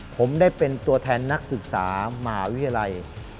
ผมได้เป็นตัวแทนนักศึกษามหาวิทยาลัย